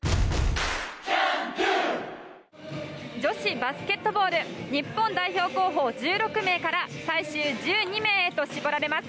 女子バスケットボール日本代表候補１６名から最終１２名へと絞られます。